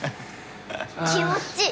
気持ちい！